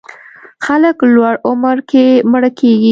خلک لوړ عمر کې مړه کېږي.